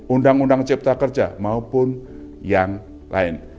undang undang cipta kerja maupun yang lain